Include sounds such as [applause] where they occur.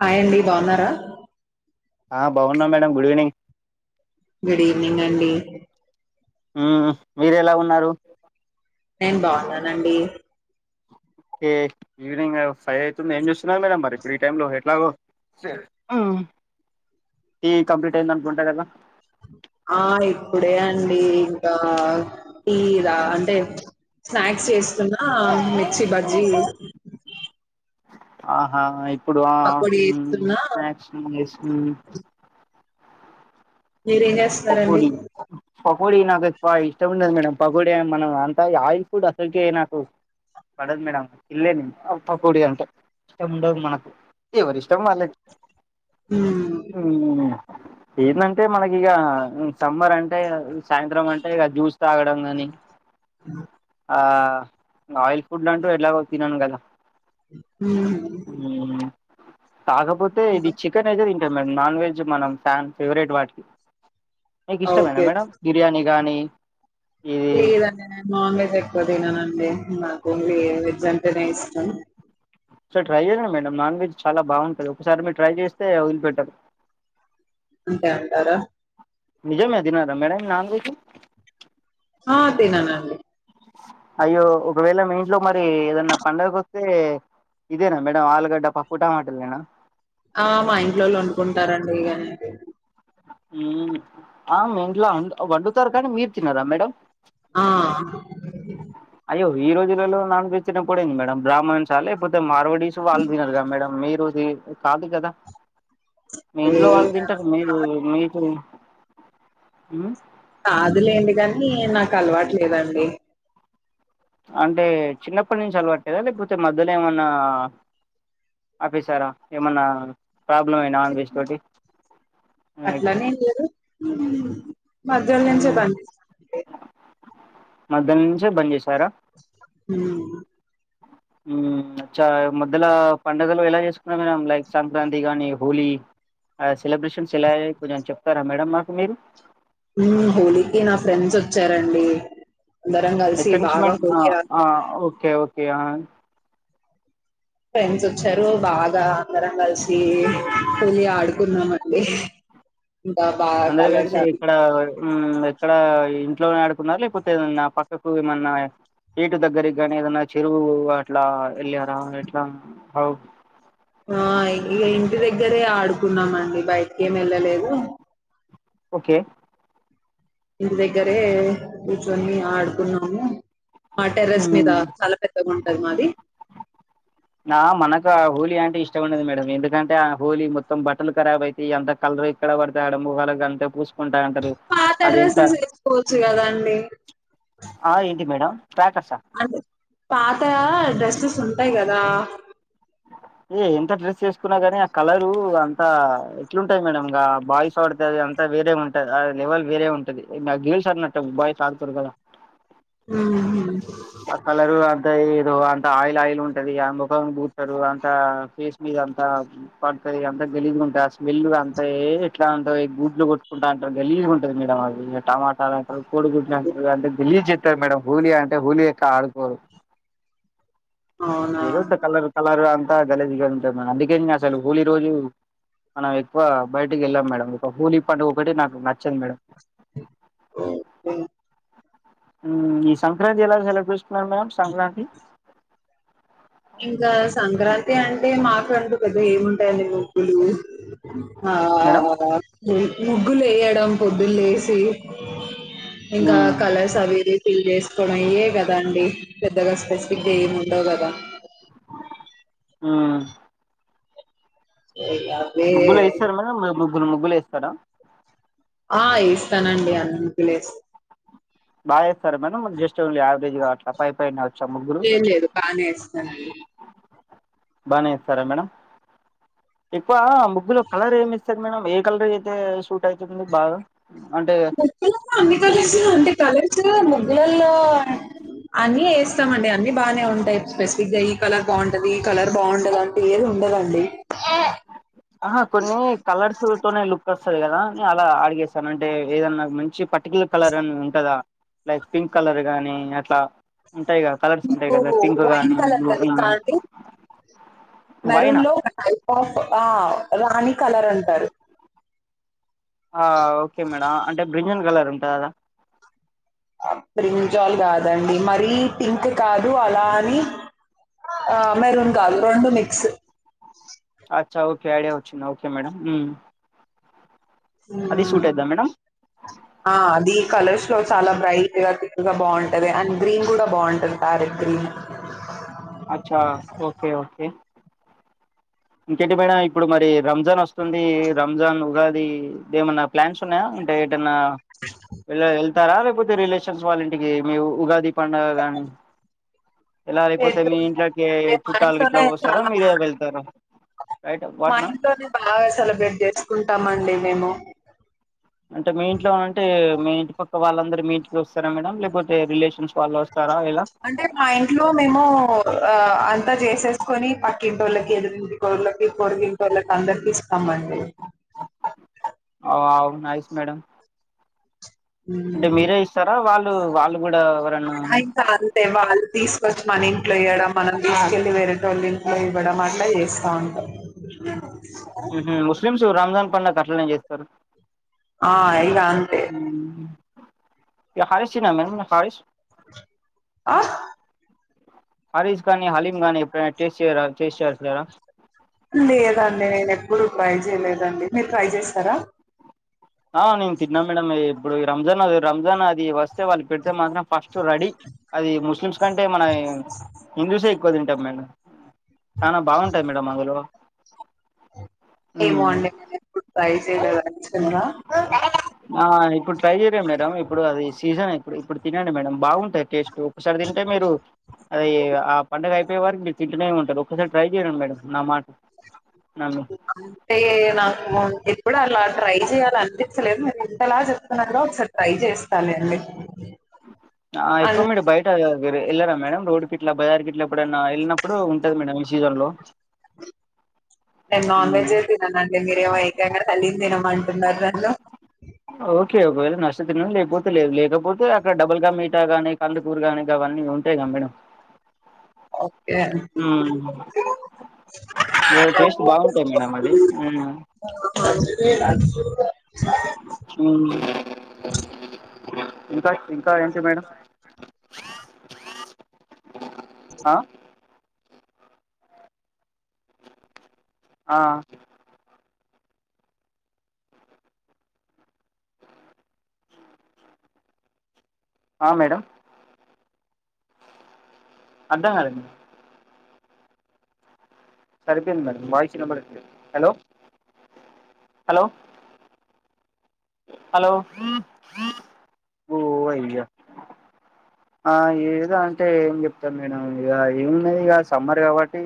Hi అండి బాగున్నారా ఆ బాగున్నాం madam good evening good evening అండి ఉ మీరెలా ఉన్నారు నేను బాగున్నానండి ఓకే ఈవినింగ్ ఫైవ్ అవుతుంది ఏం చూస్త మేడం మరి ఇప్పుడు ఈ టైమ్ లో ఎట్లాగో ఈ కంప్లీట్ అయింది అనుకుంటా గద ఆ ఇప్పుడే అండి ఇంకా టీ తా అంటే స్నాక్స్ చేస్తున్నా మిర్చి బజ్జీ ఆహా ఇ ఇప్పుడు ఆ పకోడి ఉ చేస్తున్నా స్నాక్స్ని చే మీరేం చేస్తున్నారండి పకోడి పకోడి నాకు ఇష్టం ఉండదు మేడం. పకోడి అ మనం అంతా ఆయిల్ ఫుడ్ అసలుకె నాకు పడదు మేడం. తిన్ల్లే నేను పకోడి అంటే ఇష్టం ఉండదు మనకు. ఎవరి ఇష్టం వాళ్ళది. హ్మ్ అ ఏందంటే మనకిగ సమ్మర్ అంటే సాయంత్రం అంటే ఇక జ్యూస్ తాగడం కాని ఆ ఆయిల్ ఫుడ్ అంటూ ఎట్లాగు తినను కదా హ అ [unintelligible] కాకపోతే ఇది చికెన్ అయితే తింటానం నాన్ వెజ్ మనం ఫ్యాన్ ఫేవరెట్ వాటికి మీకు ఇష్టమేనా ఓకే మేడం బిర్యానీ గానీ, [inaudible] లేదండి నేను నాన్ వెజ్ ఎక్కువ తిననండి. నాకు ఓన్లీ వెజ్ అంటేనే ఇష్టం. ఓసారి ట్రై చేయండి మేడం నాన్ వెజ్ చాలా బాగుంటుంది. ఒకసారి మీరు ట్రై చేస్తే వదిలిపెట్టరు. అంతే అంటారా. నిజమే అది నాద మేడ న [unintelligible] ఆ అదేనా నా అండి అయ్యో ఒకవేళ మీ ఇంట్లో మరి ఏదన్నా పండగకొస్తే ఇదేనా మేడం ఆలుగడ్డ, పప్పుటమాట ఏనా. ఆ మా ఇంట్లోళ్ళు వండుకుంటారండి అనేది ఆ ఇంట్లా వండుతారు కానీ మీరు టీన్నారా మేడం ఆ అయ్యో ఈ రోజులలో నాన్ వెజ్ తినకపోవడం ఏంటి మేడం బ్రాహ్మణం చాలే పోద్ధి మార్వ వాలజినల్గా మేడమ్ మీరు అది కాదు కదా. మీ ఇంట్లో వాళ్ళు ఏ తింటారు మీరు మీకు. ఉమ్. కాదులెండి కాని నాకు అలవాట్లేదండి. అంటే చిన్నప్పటి నుంచి అలవాట్లేద, లేకపోతే మధ్యలో ఏమన్నా ఆపేశారా ఏమన్నా. ప్రాబ్లమై నాన్ వెజ్ తోటి. ఊ మధ్యలో నుంచి బంజేశిన అండి. మధ్యల్నుంచే బంజేష్. సర ఉమ్ ఉమ్ చ మధ్యల పండుగలు ఎలా చేసుకున్నారు. మేడం లైక్ సంక్రాంతి కానీ, హోలీ సెలబ్రేషన్స్ ఎలా అయ్యాయి కొంచం చెప్తారా మేడం మాకు మీరు. హోలీకి నా ఫ్రెండ్స్ వచ్చారండి. అందరం కలిసి ఎక్కనుంచి మే బాగా అ హోలీ ఆ అ ఓకే ఓకే అ. ఫ్రెండ్స్ వచ్చారు బాగా అందరం కలిసి హోలీ ఆడుకున్నాంమండి. అందరు కలిసి ఇక్కడ ఉమ్ ఎక్కడ. ఇంట్లోనే ఆడుకున్నారా లేకపోతే ఏదన్నా పక్కకు ఏమన్నా, ఏటు దగ్గరికి గానీ ఏదన్నా చెరువు అట్లా వెళ్ళారా ఎట్లా హౌ. ఆ ఇగ ఇంటి దగ్గరే ఆడుకున్నామండి, బయటికి ఏమి ఏళ్లలేదు. ఓకే ఇంటి దగ్గరే కూర్చొని ఆడుకున్నాము. మా టెర్రెస్ మీద మ్మ్ చాలా పెద్దగా ఉంటుంది. టది మాది. నా మనక హోలీ అంటి ఇష్ట ఉండదు మేడం ఎందుకంటే ఆ హోలీ మొత్తం బట్టలు కారభైతాయి. అంత కలర్ ఎక్కడ పడితే అక్కడ మొహాలకాంత పుస్. పాత డ్రెస్సెస్ ఏసుకోవచ్చు కదా అండి. ఆ ఏంటి మేడం క్రాకర్సా అంత పాత డ్రెస్. స్ ఉంటయ్ కదా. ఏ ఎంత డ్రెస్ వేసుకున్నా గాని, ఆ కలరు అంత ఎట్లుంటాయి మేడమ్. ఇంగ బాయ్స్ ఆడితే, అది అంత వేరే ఉంటది. ఆ లెవెల్ వేరే ఉంటది గెల్స్ అన్నట్టు బాయ్స్ ఆడుకోరు కదా. ఊహు ఆ కలరు అంత ఏదో ఆన్. ఆయిల్ ఆయిల్ ఉంటది అ మొఖానికి పుత్తరు. అంత ఫేస్ మీద అంతా పడుతది. అంత గాలిజ్గుంటది ఆ స్మెల్ అంతాఏ ఎట్లా అంతే గుడ్లు కొట్టుకుంటా అంటారు గాలిజ్గుంటది మేడం అది టమాటాల. కోడిగుడ్ల అంటరు అంత గలీజ్ చేత్. అంతే మేడం హోలీ అంటే హోలీ లెక్క ఆడుకోరు. అవునా ఏదో ఇంత కలరు కలరు ఆన్. అ గలిజ్గా ఉంటది. మేడం అందుకే అసలు హోలీ రోజు మనం ఎక్కువ బయటకి వెళ్ళం. మేడం ఒక హోలీ పండుగ ఒకటి నాకు నచ్చంది. ఓ హో ఉమ్ ఈ సంక్రాంతి ఎలా సెలబ్రేషన్. మంనామ్ సంక్రాంతి ఇంకా సంక్రాంతి అంటే మాకుండు పెద్దగ ఏముంటాయండి ముగ్గులు ఆ మేడం ముగ్గులు వేయడం పొద్దులు లేసి ఇంకా మ్మ్ కలర్స్ అవి ఫిల్ చేసుకోవడం ఇయే కదా అండి. పెద్దగా స్పెసిఫిక్ గా ఏమి ఉండవు కద. ఆ ఇక అవే మొబ్బులో ఏస్తార అన్నా మ ముగ్గులు వేత్తారా ఆ ఇష్ తనండి అన్ని పేస్ బాగ ఏస్తార మెనమ్ జస్ట్ యావరేజ్ కాట్ల పై పైన వచ్చా ముగ్గులు లేదు లేదు బానే ఇస్తానండి బానే ఇస్తారా మేడం ఎక్కువ ముగ్గులో కలర్ ఏమి ఇస్తారు ఏ కలర్ అయితే సూట్ అయితుంది మేడం ముగ్గులు అన్ని కలర్స్ అంటే కలర్ లల్లో అన్నీ వేస్తామండి అన్ని బాగానే ఉంటాయి స్పెసిఫిక్ గా కలర్ బాగుంటది ఈ కలర్ బాగుండదు ఆన్ పేరుండదండి ఆహా కొన్ని కలర్స్ తనే లుక్ వస్తంది కదా న అలా అడిగేస్తాను అంటే ఏదన్నా నాకు మంచి ప పర్టిల కలర్ అని ఉంటదా లైక్ పింక్ కలర్ గాని అట్లా ఉంటాయి కదా కలర్స్ ఉంటాయి మీకు కదా పింక్ వైన్ గానీ కలర్ బ్లూ తెలుస్తటి మెరూన్ వైనా లో ఒక టైప్ ఆఫ్ ఆ రాణి కలర్ అంటారు ఆ ఓకే మేడం అంటే బ్రింజన్ కలర్ ఉం ఉంటదా ప్రింజల్ కాదండి మరీ పింక్ కాదు అలా అని ఆ మెరూన్ కాలు రెండు మిక్స్ అ ఓకే అడిచ్చు ఓకే మేడం అది మ్మ్. సూట్ అయిద్దా మేడం ఆ అది కలర్స్ లో చాలా బ్రైట్ గా తిక్ గా బాగుంటంది అండ్ గ్రీన్ కూడా బాగుంటంది పారెట్ గ్రీన్ అచ్చా ఓకే ఓకే ఇంకేంటి మేడం ఇప్పుడు మరి రంజాన్ వస్తు స్తుంది రంజాన్ ఉగాది దీ ఏమన్నా ప్లాన్స్ ఉన్నాయా అంటే వె [inaudible] స్తారా లేకపోతే రిలేషన్స్ వాళ్ళ ఇంటికి మీ ఉగాది పండుగ గాని ఎలా లేకపోతే ఎటు మీ ఇంట్లోకి అంటే మా చుట్టాల ఇట్లా ఇంట్లోనే వస్తారా చాలా మీరే బాగా వెళ్తారా రైట్ మా వాట్ మ్యామ్ ఇంట్ టోనే బాగా సెలబ్రేట్ చేసుకుంటాం అండి మేము అంటే మీ ఇంట్లో ఉంటే మీ ఇంటి పక్క వాళ్ళందరు మీ ఇంటికి వస్తారా మేడం, లేకపోతే రిలేషన్స్ వాళ్ళు వస్తారు. అంటే మా ఇంట్లో మేము ఆ అంతా చేసేసుకొని పట్ కింటోళ్ళకి ఎదురింటి కోళ్ళకి పొరిగింటోళ్ళకి అందరికి ఇస్తామండి ఆవ్ నయిస్ మేడమ్ మ్ వాళ్ళు వాళ్ళు కూడా ఎవరన్నా అయికా అంతే వాళ్ళు తీసుకొచ్చి మన ఇంట్లో ఈయడం మనం తీసుకెళ్ వేరింటొల్ ఇంట్లొ ఇవ్వడం అట్లా చేస్తా ఉంటాం మ్ హు ముస్లిమ్స్ రంజాన్ పండగ్ గట్లనే చేస్తారు ఆ ఇడా అంతే ఎ హరిష్ నా మేమ్ హారిష్ ఆ హారీష్ గానీ హలీం గానీ ఎప్పుడైనా టేస్ట్ చేయ్రా టేస్ట్ చేస్తారా లేదండి నేను ఎప్పుడు ట్రై చేయలేదండి మీరు ట్రై చేసారా ఆ నేన్ తిన్నా మేడమ్ ఎ ఇప్పుడు ఈ రంజాన్ అది రంజాన్ అది వస్ తే వాళ్ళు పెడితే మాత్రం ఫస్ట్ రెడీ, అది ముస్లిమ్స్ కంటే మన హిందూసే ఎక్కువ తింటాం మేడమ్ చానా బాగుంటాయి మేడంమ్ అందులో ఏమో ఉమ్ అండి నేను ఎప్పుడు ట్రై చేయలేదు యాక్చువల్‌గా. ఆ ఇప్పుడు ట్రై చేయలే మేడంమ్ ఇప్పుడు అది సీజనే ఇప్పు ఇప్పుడు తినండి మేడం బావుం టేస్ట్ ఒకసారి తింటే మీరు అది ఆ పండగ అయిపోయే వారికు మీరు తింటనే ఉంటారు, ఒకసారి ట్రై చేయండి మేడం నా మాట నా అంటే నాకు ఎప్పుడు అలా ట్రై చేయా లనిపించలేదు, మీరు ఇంతలా చెప్తున్నార్గా ఒకసారి ట్రై చేస్తాను లెండి ఆ ఎప్పుడు మీరు బయట వే వెళ్లరా మేడమ్ రోడ్డు కిట్లా బజార్ కిట్ల ఎప్పుడైనా వెళ్ళినప్పుడు ఉంటది మేడం ఈ సీజన్ లో నేను నాన్ వెజ్జే తిననండి మీరేమో ఏకంగ హలీమ్ తినమంటున్నారు నన్ను ఓకే ఒకవేళ నచ్చితే తినండి, లేకపోతే లేదు, లేకపోతే అక్కడ డబుల్ కమీఠా గాని కందుకూరు గాని అవన్నీ ఉంటాయి గా మేడం అ ఉమ్ టేస్ట్ బాగుంటాయి మేడం అది అ అ అ ఇంకా ఇంకా ఏంటి మేడం ఆ ఆ ఆ మేడమ్ అద్దా సరిపోయంది మేడమ్ వాయిస్ వినబడట్లేదు హలో హలో ఓ అయ్యా ఆ ఏదో అంటే ఏం చెప్తాం మేడం ఇగ సమ్మర్ కాబట్టి